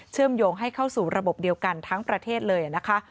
มโยงให้เข้าสู่ระบบเดียวกันทั้งประเทศเลยนะคะ